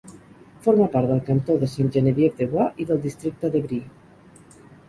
Forma part del cantó de Sainte-Geneviève-des-Bois i del districte d'Évry.